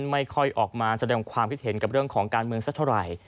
ไม่ค่อยออกมาแสดงความคิดเห็นกับเรื่องของการเมืองสักเท่าไหร่